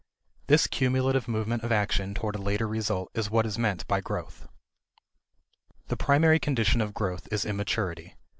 This cumulative movement of action toward a later result is what is meant by growth. The primary condition of growth is immaturity.